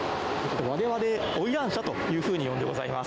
われわれ、おいらん車というふうに呼んでございます。